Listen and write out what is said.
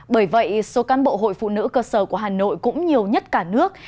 bởi vậy số cán bộ hội phụ nữ cơ sở của hà nội cũng nhiều nhất cả nước